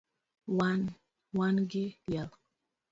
Wan gi liel